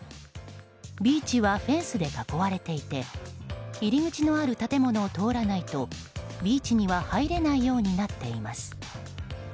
ビーチはフェンスで囲われていて入り口のある建物を通らないとビーチには入れないようになっています。